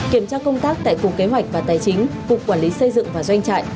kiểm tra công tác tại cục kế hoạch và tài chính cục quản lý xây dựng và doanh trại